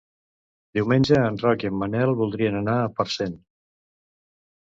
Diumenge en Roc i en Manel voldrien anar a Parcent.